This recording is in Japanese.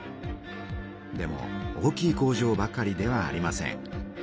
でも大きい工場ばかりではありません。